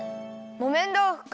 もめんどうふか。